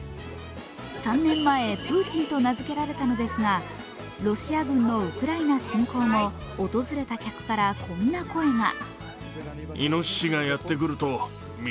３年前、プーチンと名づけられたのですがロシア軍のウクライナ侵攻後訪れた客からこんな声が。